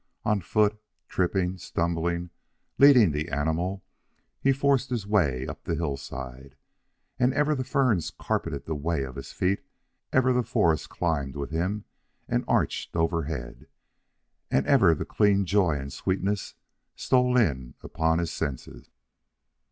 On foot, tripping, stumbling, leading the animal, he forced his way up the hillside. And ever the ferns carpeted the way of his feet, ever the forest climbed with him and arched overhead, and ever the clean joy and sweetness stole in upon his senses.